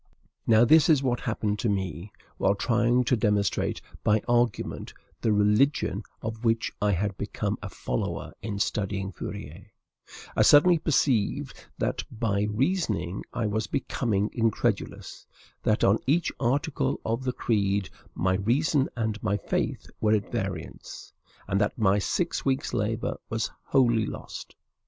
Now, this is what happened to me. While trying to demonstrate by argument the religion of which I had become a follower in studying Fourier, I suddenly perceived that by reasoning I was becoming incredulous; that on each article of the creed my reason and my faith were at variance, and that my six weeks' labor was wholly lost.